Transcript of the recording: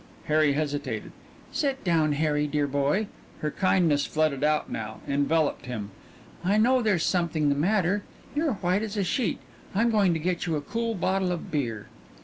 Harry hesitated. "Sit down, Harry, dear boy." Her kindness flooded out now enveloped him. "I know there's something the matter. You're white as a sheet. I'm going to get you a cool bottle of beer."